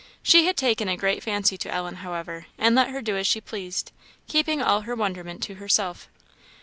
She had taken a great fancy to Ellen, however, and let her do as she pleased, keeping all her wonderment to herself.